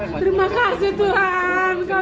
terima kasih tuhan kau dengarkan